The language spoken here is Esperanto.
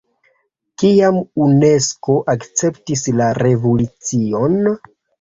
Kiam Unesko akceptis la rezolucion?